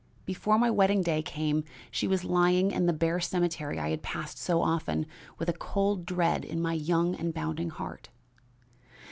Before my wedding day came she was lying in the bare cemetery I had passed so often with a cold dread in my young and bounding heart.